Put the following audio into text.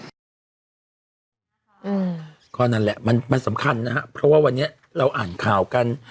นั่นแหละก็นั่นแหละมันมันสำคัญนะฮะเพราะว่าวันนี้เราอ่านข่าวกัน